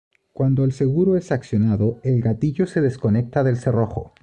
Cuando el seguro es accionado, el gatillo se desconecta del cerrojo.